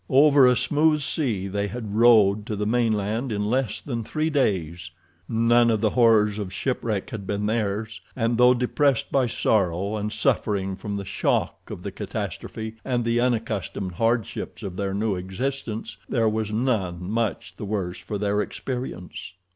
Over a smooth sea they had rowed to the mainland in less than three days. None of the horrors of shipwreck had been theirs, and though depressed by sorrow, and suffering from the shock of the catastrophe and the unaccustomed hardships of their new existence there was none much the worse for the experience.